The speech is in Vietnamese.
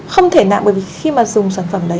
không thể nặng bởi vì khi mà dùng sản phẩm đấy